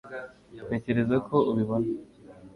Ntekereza ko ubibona